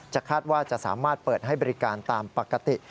คาดว่าจะสามารถเปิดให้บริการตามปกติ